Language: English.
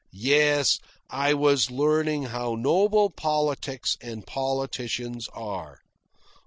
Yes, I was learning how noble politics and politicians are.